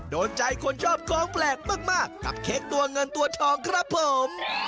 โดนใจคนชอบของแปลกมากกับเค้กตัวเงินตัวทองครับผม